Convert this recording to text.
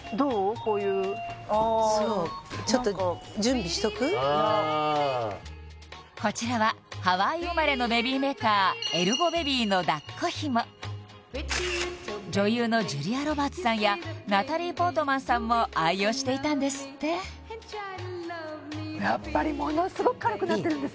こういうそうちょっとこちらはハワイ生まれのベビーメーカーエルゴベビーの抱っこ紐女優のジュリア・ロバーツさんやナタリー・ポートマンさんも愛用していたんですってやっぱり買います？